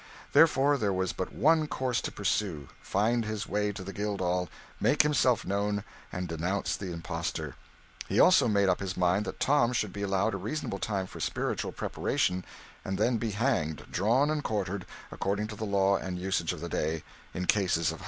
Therefore there was but one course to pursue find his way to the Guildhall, make himself known, and denounce the impostor. He also made up his mind that Tom should be allowed a reasonable time for spiritual preparation, and then be hanged, drawn and quartered, according to the law and usage of the day in cases of high treason.